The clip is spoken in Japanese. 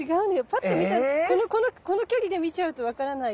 パッと見てこの距離で見ちゃうと分からないけど。